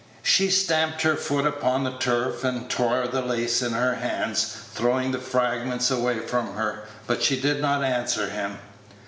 She stamped her foot upon the turf, and tore the lace in her hands, throwing the fragments away from her; but she did not answer him.